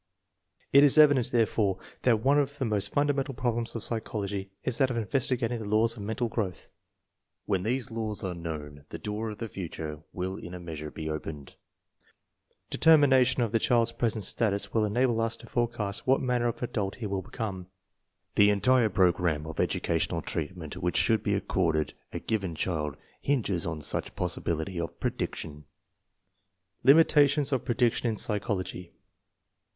It is evident, therefore, that one of the most fundamental problems of psy chology is that of investigating the laws of mental growth. When these laws are known, the door of the future will in a measure be opened; determination of the child's present status will enable us to forecast what manner of adult he will become. The entire THE I Q AND PREDICTION 137 program of educational treatment which should be accorded a given child hinges on such possibility of prediction. Limitations of prediction in psychology.